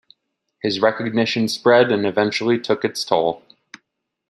His recognition spread and eventually took its toll.